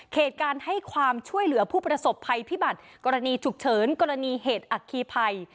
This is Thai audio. เหตุการณ์ให้ความช่วยเหลือผู้ประสบภัยพิบัติกรณีฉุกเฉินกรณีเหตุอัคคีภัย